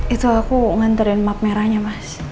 itu aku nganterin map merahnya mas